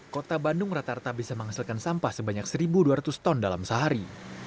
kota bandung rata rata bisa menghasilkan sampah sebanyak satu dua ratus ton dalam sehari